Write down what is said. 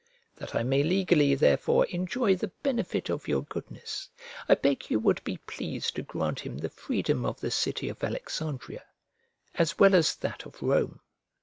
That I may legally therefore enjoy the benefit of your goodness, I beg you would be pleased to grant him the freedom of the city of Alexandria, as well as that of Rome.